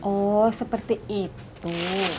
oh seperti itu